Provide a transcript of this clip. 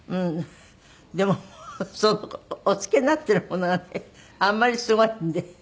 でもお着けになってるものがねあんまりすごいんで。